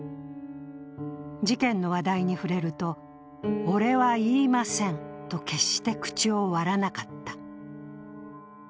事件の話題に触れると俺は言いませんと決して口を割らなかった。